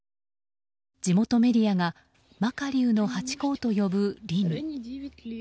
地元メディアがマカリウのハチ公と呼ぶリニ。